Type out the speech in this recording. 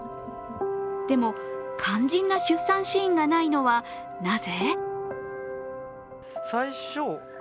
でも肝心な出産シーンがないのはなぜ？